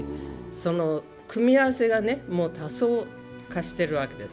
その組み合わせが多層化しているわけです。